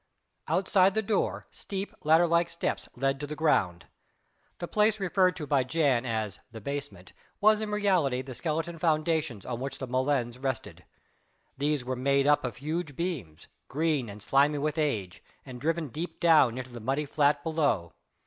Outside the door, steep, ladder like steps led to the ground. The place referred to by Jan as "the basement" was in reality the skeleton foundations on which the molens rested. These were made up of huge beams green and slimy with age, and driven deep down into the muddy flat below.